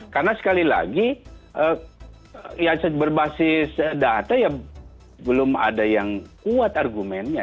karena sekali lagi ya berbasis data ya belum ada yang kuat argumennya